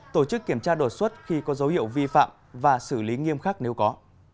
tổ chức kiểm tra đột xuất khi có dấu hiệu vi phạm và xử lý nghiêm khắc nếu có